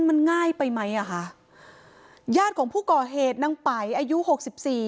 มันง่ายไปไหมอ่ะค่ะญาติของผู้ก่อเหตุนางไปอายุหกสิบสี่